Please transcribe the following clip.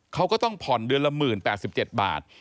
เขาก็ต้องผ่อนเดือนละ๑๐๘๗บาท